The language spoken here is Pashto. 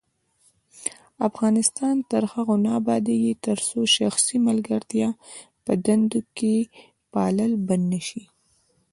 افغانستان تر هغو نه ابادیږي، ترڅو شخصي ملګرتیا په دندو کې پالل بند نشي.